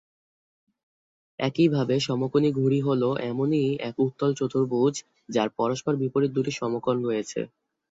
একইভাবে, সমকোণী ঘুড়ি হল এমনই এক উত্তল চতুর্ভুজ যার পরস্পর বিপরীত দুটি সমকোণ রয়েছে।